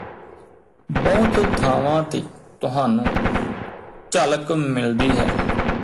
ਬਹੁਤ ਥਾਵਾਂ ਤੇ ਤੁਹਾਨੂੰ ਝਲਕ ਮਿਲਦੀ ਹੈ